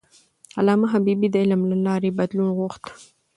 علامه حبيبي د علم له لارې بدلون غوښت.